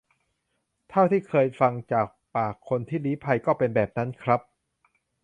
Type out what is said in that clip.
เท่าที่เคยฟังจากปากคนที่ลี้ภัย ก็เป็นแบบนั้นครับ